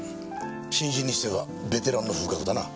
新人にしてはベテランの風格だな。